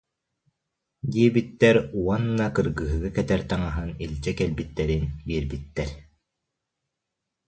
диэбиттэр уонна кыргыһыыга кэтэр таҥаһын илдьэ кэлбиттэрин биэрбиттэр